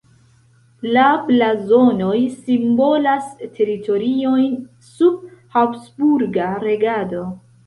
La blazonoj simbolas teritoriojn sub habsburga regado.